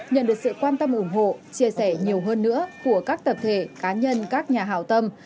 nhận được sự quan tâm ủng hộ chia sẻ nhiều hơn nữa của các tập thể cá nhân các nhà hào tâm